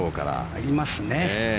ありますね。